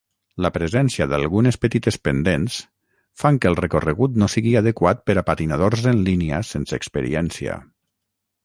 La presència d"algunes petites pendents fan que el recorregut no sigui adequat per a patinadors en línia sense experiència.